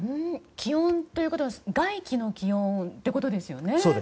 気温ということは外気の気温ということですよね。